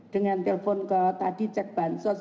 dengan telpon ke tadi cek bansos